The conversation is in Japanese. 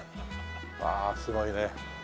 わあすごいね。